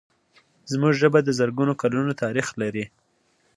زموږ ژبه د زرګونو کلونو تاریخ لري.